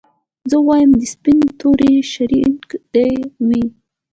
زه وايم د سپيني توري شړنګ دي وي